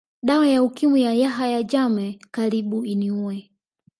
Dawa ya Ukimwi ya Yahya Jammeh karibu iniue